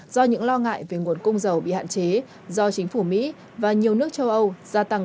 do những lo ngại về nguồn cung dầu bị hạn chế do chính phủ mỹ và nhiều nước châu âu gia tăng